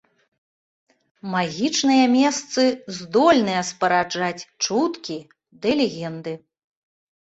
Магічныя месцы здольныя спараджаць чуткі ды легенды.